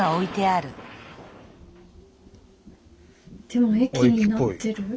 でも駅になってる。